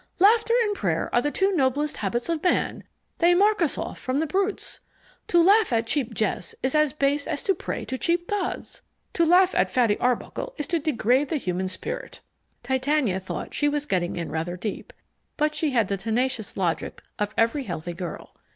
Laughter and prayer are the two noblest habits of man; they mark us off from the brutes. To laugh at cheap jests is as base as to pray to cheap gods. To laugh at Fatty Arbuckle is to degrade the human spirit." Titania thought she was getting in rather deep, but she had the tenacious logic of every healthy girl.